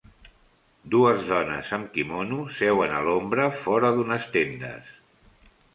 Dues dones amb quimono seuen a l'ombra fora d'unes tendes.